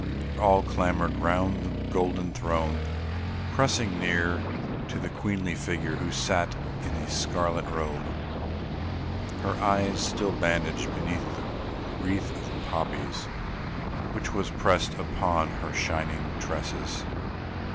All had clamoured round that golden throne, pressing near to the queenly figure who sat there in a scarlet robe, her eyes still bandaged beneath the wreath of poppies which was pressed upon her shining tresses.